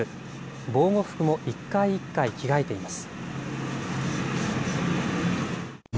防護服も一回一回着替えています。